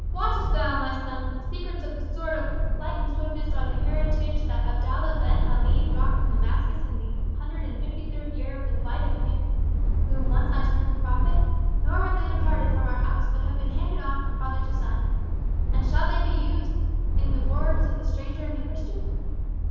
"Wottest thou, my son, that the secrets of the sword of light and swiftness are the heritage that Abdallah Ben Ali brought from Damascus in the hundred and fifty third year of the flight of him whom once I termed the prophet; nor have they departed from our house, but have been handed on from father to son. And shall they be used in the wars of the stranger and the Christian?"